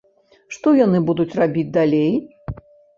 Што яны будуць рабіць далей?